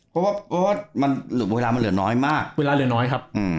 เพราะว่าเวลามันเหลือน้อยมากเวลาเหลือน้อยครับ